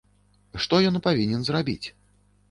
Што ён павінен зрабіць?